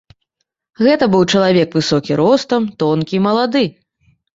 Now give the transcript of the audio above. Гэта быў чалавек высокі ростам, тонкі і малады.